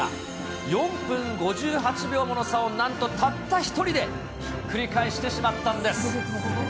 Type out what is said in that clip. ４分５８秒もの差をなんとたった１人でひっくり返してしまったんです。